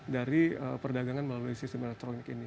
dari perdagangan melalui sistem elektronik ini